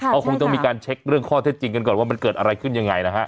เขาคงต้องมีการเช็คเรื่องข้อเท็จจริงกันก่อนว่ามันเกิดอะไรขึ้นยังไงนะฮะ